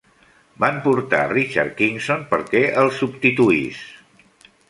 Van portar Richard Kingson perquè el substituís.